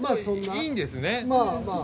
いいんですね。